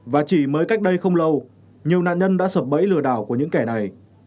và chỉ mới cách đây không lâu nhiều nạn nhân đã sập bẫy lừa đảo của những kẻ này